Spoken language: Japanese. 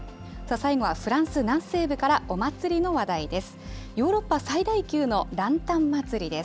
最後はフランス南西部からお祭りの話題です。